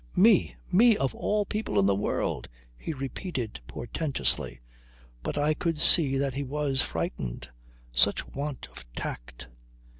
"Me! Me, of all people in the world!" he repeated portentously. But I could see that he was frightened. Such want of tact!